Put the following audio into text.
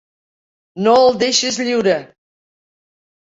No el deixis lliure!